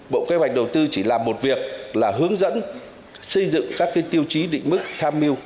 bộ kế hoạch đầu tư chỉ làm một việc là hướng dẫn xây dựng các tiêu chí định mức tham mưu